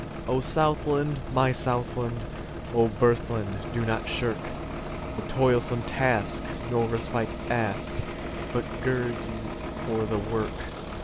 O Southland! my Southland!O birthland! do not shirkThe toilsome task, nor respite ask, But gird you for the work.